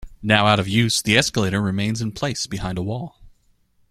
Now out of use, the escalator remains in place behind a wall.